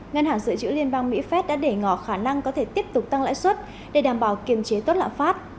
ngân hàng dự trữ liên bang mỹ phép đã để ngỏ khả năng có thể tiếp tục tăng lãi suất để đảm bảo kiềm chế tốt lãm phát